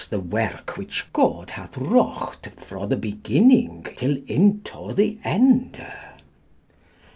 the werk which" God hath wrou3t fro the bigynnyng 'til in to0 the ende.